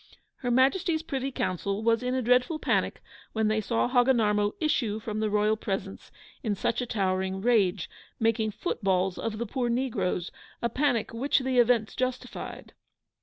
Her Majesty's Privy Council was in a dreadful panic when they saw Hogginarmo issue from the royal presence in such a towering rage, making footballs of the poor negroes a panic which the events justified.